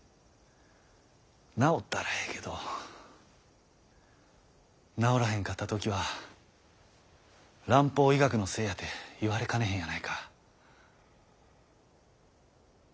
治ったらええけど治らへんかった時は蘭方医学のせいやて言われかねへんやないか。